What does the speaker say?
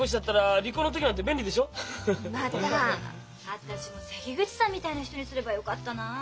私も関口さんみたいな人にすればよかったなあ。